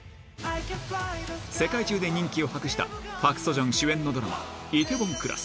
世界中で人気を博した、パク・ソジョン主演のドラマ、梨泰院クラス。